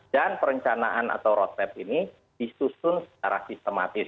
dan perencanaan atau roadmap ini disusun secara sistematis